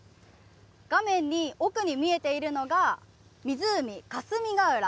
画面に奥に見えているのが湖、霞ヶ浦。